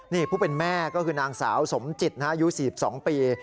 นี่ผู้เป็นแม่ก็คือนางสาวสมจิตอายุ๔๒ปี